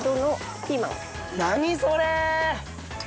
何それ！